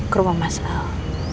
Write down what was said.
ke rumah mas al